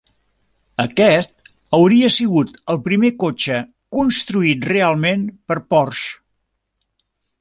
Aquest hauria sigut el primer cotxe construït realment per Porsche.